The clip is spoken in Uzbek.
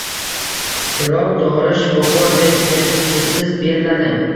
Biroq dori shifokor retseptisiz beriladi.